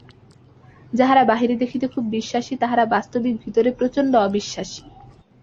যাহারা বাহিরে দেখিতে খুব বিশ্বাসী, তাহারা বাস্তবিক ভিতরে প্রচণ্ড অবিশ্বাসী।